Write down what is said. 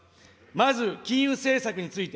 まず金融政策について。